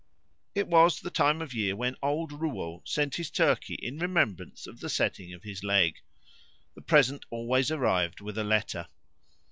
It was the time of year when old Rouault sent his turkey in remembrance of the setting of his leg. The present always arrived with a letter.